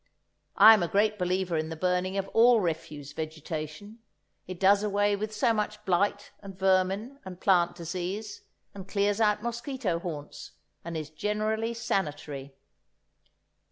I am a great believer in the burning of all refuse vegetation; it does away with so much blight and vermin and plant disease, and clears out mosquito haunts, and is generally sanitary.